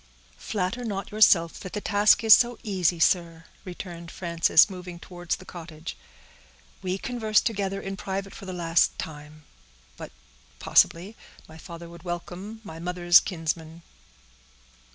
"Flatter not yourself that the task is so easy, sir," returned Frances, moving towards the cottage. "We converse together in private for the last time; but—possibly—my father would welcome my mother's kinsman."